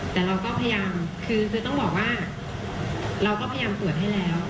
แต่เราก็พยายามคือต้องบอกว่าเราก็พยายามตรวจให้แล้ว